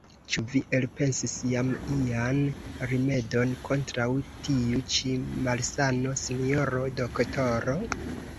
Ĉu vi elpensis jam ian rimedon kontraŭ tiu ĉi malsano, sinjoro doktoro?